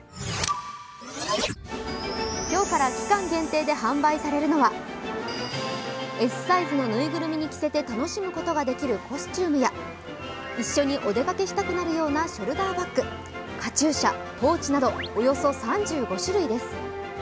今日から期間限定で販売されるのは、Ｓサイズのぬいぐるみに着せて楽しむことができるコスチュームや、一緒にお出かけしたくなるようなショルダーバッグ、カチューシャ、ポーチなどおよそ３５種類です。